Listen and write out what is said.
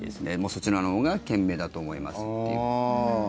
そちらのほうが賢明だと思いますっていう。